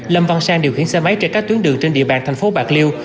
lâm văn sang điều khiển xe máy trên các tuyến đường trên địa bàn thành phố bạc liêu